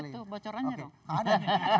apa itu bocorannya dong